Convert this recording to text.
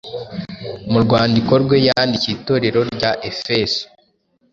Mu rwandiko rwe yandikiye itorero rya Efeso,